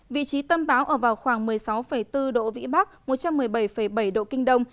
vị trí tâm bão ở vào khoảng một mươi sáu bốn độ vĩ bắc một trăm một mươi bảy bảy độ kinh đông